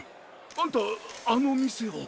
あんたあの店を。